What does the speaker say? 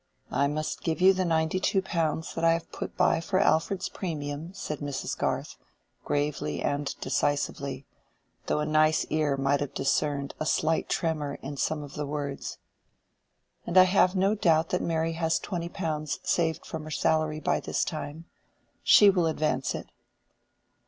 "I must give you the ninety two pounds that I have put by for Alfred's premium," said Mrs. Garth, gravely and decisively, though a nice ear might have discerned a slight tremor in some of the words. "And I have no doubt that Mary has twenty pounds saved from her salary by this time. She will advance it."